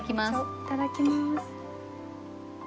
いただきます。